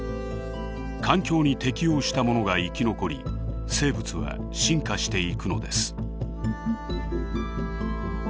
環境に適応したものが生き残り生物は進化していくのです。